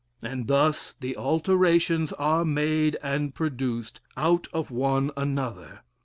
And thus the alterations are made and produced, out of one another....